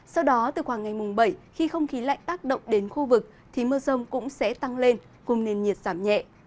sau đó từ khoảng ngày mùng bảy khi không khí lạnh tác động đến khu vực thì mưa rông cũng sẽ tăng lên cùng nền nhiệt giảm nhẹ